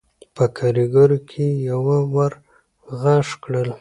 په کارېګرو کې يوه ور غږ کړل: